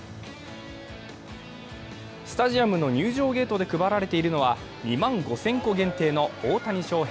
スタジアムの入場ゲートで配られているのは２万５０００個限定の大谷翔平